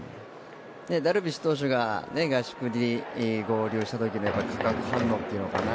ダルビッシュ投手が合宿に合流した時も化学反応というのかな。